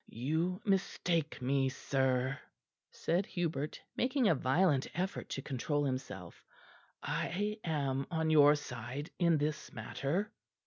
"You mistake me, sir," said Hubert, making a violent effort to control himself; "I am on your side in this matter."